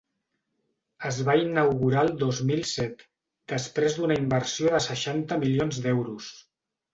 Es va inaugurar el dos mil set, després d’una inversió de seixanta milions d’euros.